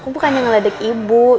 aku bukannya ngeledek ibu